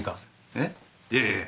えっいやいや